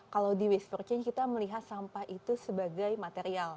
kalau di waste for change kita melihat sampah itu sebagai material